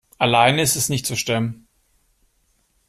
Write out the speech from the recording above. Alleine ist es nicht zu stemmen.